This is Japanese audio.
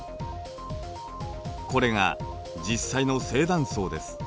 これが実際の正断層です。